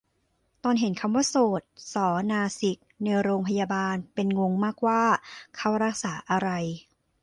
ตอนเห็นคำว่าโสต ศอ นาสิก ในโรงพยาบาล เป็นงงมากว่าเขารักษาอะไร